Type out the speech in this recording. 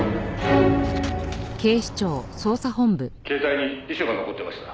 「携帯に遺書が残ってました」